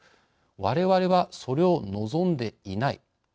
われわれはそれを望んでいない。